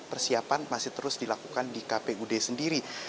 persiapan masih terus dilakukan di kpud sendiri